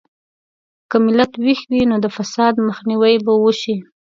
که ملت ویښ وي، نو د فساد مخنیوی به وشي.